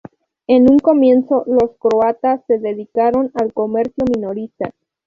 En un comienzo los croatas se dedicaron al comercio minorista.